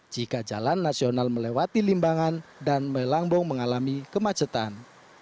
jika jalan nasional melewati limbangan dan melambung mengalami kemacetan